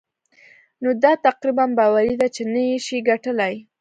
نو دا تقريباً باوري ده چې نه يې شې ګټلای.